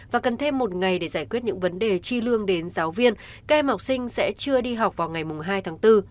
và cần thêm một ngày để giải quyết những vấn đề chi lương đến giáo viên các em học sinh sẽ chưa đi học vào ngày hai tháng bốn